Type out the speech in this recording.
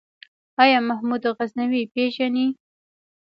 آيا محمود غزنوي پېژنې ؟